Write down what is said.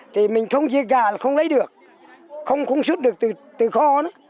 thì mình không giết gà là không lấy được không xuất được từ kho